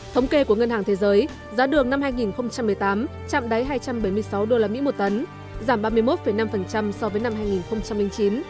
thống kê của ngân hàng thế giới giá đường năm hai nghìn một mươi tám chạm đáy hai trăm bảy mươi sáu usd một tấn giảm ba mươi một năm so với năm hai nghìn chín